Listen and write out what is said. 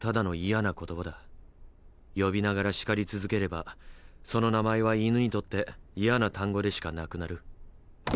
呼びながら叱り続ければその名前は犬にとって「嫌な単語」でしかなくなる。